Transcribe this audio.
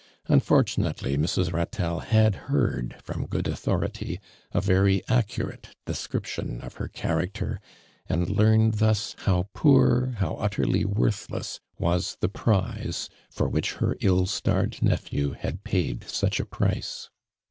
Unfortunately Mrs. Ratelle had heaixl from good authori ty a very accurate description of her cha racter and learned thus how poor, how ut terly worthless was the prize for which her ill starred nephew had paid such a price.